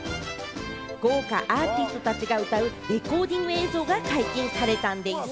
豪華アーティストたちが歌うレコーディング映像が解禁されたんでぃす。